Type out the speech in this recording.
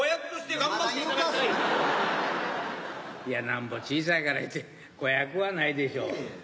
いやなんぼ小さいからいうて子役はないでしょ。